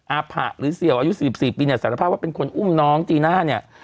อาผะหรือเสี่ยวอายุ๔๔ปีเนี่ยสารภาพว่าเป็นคนอุ้มน้องจีน่าเนี่ย